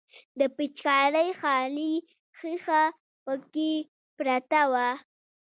د پيچکارۍ خالي ښيښه پکښې پرته وه.